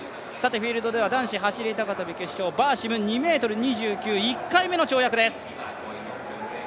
フィールドでは男子走高跳、バーシム２ｍ２９、１回目の跳躍です。